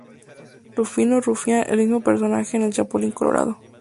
Rufino Rufián el mismo personaje de El Chapulín Colorado.